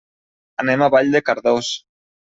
Anem a Vall de Cardós.